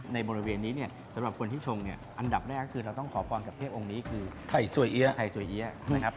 ในบริเวณนี้เนี่ยสำหรับคนที่ชมอันดับแรกคือเราต้องขอพรกับเทพองค์นี้คือไทยสวยเอี๊ยะ